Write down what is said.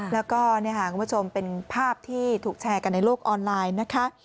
แล้วก็คุณผู้ชมเป็นภาพที่ถูกแชร์กันในโลกออนไลน์นะคะ